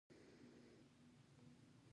اروپایي بنسټونو متفاوته بڼه خپله کړه